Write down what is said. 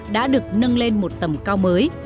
đã được nâng lên một tầm cao mới